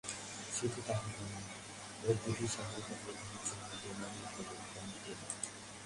শুধু তাই নয়, ওগুলোর সহায়তা প্রদানের জন্য বিমানের কোনো কমতি নেই।